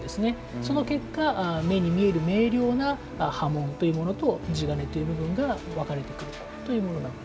その結果明瞭な刃文というものと地鉄という部分が分かれてくるということなんです。